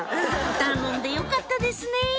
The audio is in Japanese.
頼んでよかったですね